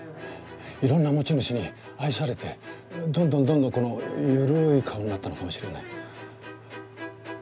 いろんな持ち主に愛されてどんどんどんどんこのゆるい顔になったのかもしれない。